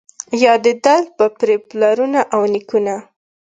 یادېدل به پرې پلرونه او نیکونه